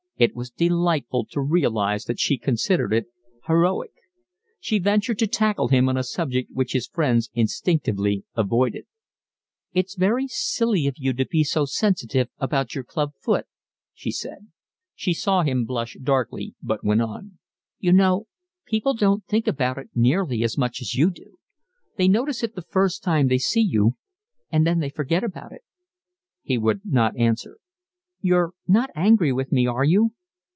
It was delightful to realise that she considered it heroic. She ventured to tackle him on a subject which his friends instinctively avoided. "It's very silly of you to be so sensitive about your club foot," she said. She saw him blush darkly, but went on. "You know, people don't think about it nearly as much as you do. They notice it the first time they see you, and then they forget about it." He would not answer. "You're not angry with me, are you?"